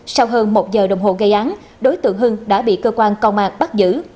sau hơn một giờ đồng hồ gây án đối tượng hưng đã bị cơ quan công an bắt giữ